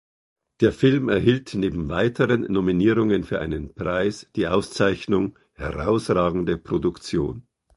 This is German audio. Der Film erhielt neben weiteren Nominierungen für einen Preis die Auszeichnung „Herausragende Produktion“.